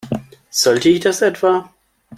Sollte ich das etwa?